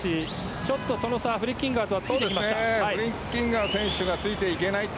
ちょっとその差フリッキンガーとは開いていきました。